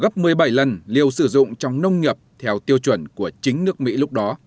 gấp một mươi bảy lần liều sử dụng trong nông nghiệp theo tiêu chuẩn của chính nước mỹ lúc đó